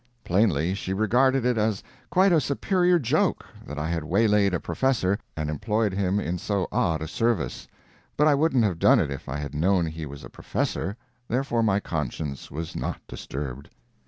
Plainly, she regarded it as quite a superior joke that I had waylaid a Professor and employed him in so odd a service. But I wouldn't have done it if I had known he was a Professor; therefore my conscience was not disturbed.